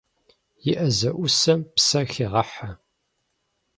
И ӏэ зэӏусэм псэ хегъэхьэ.